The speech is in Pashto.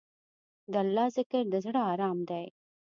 د الله ذکر، د زړه ارام دی.